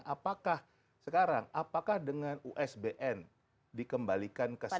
apakah sekarang apakah dengan usbn dikembalikan ke sana